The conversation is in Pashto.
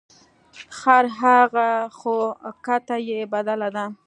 خر هغه خو کته یې بدله ده.